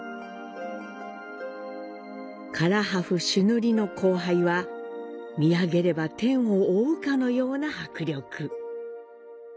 唐破風朱塗りの向拝は、見上げれば天を覆うかのような迫力。